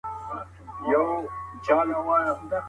احمد سعيد وصال ښاغلى ننګيالى